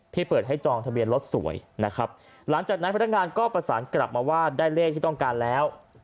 เปิดให้จองทะเบียนรถสวยนะครับหลังจากนั้นพนักงานก็ประสานกลับมาว่าได้เลขที่ต้องการแล้ว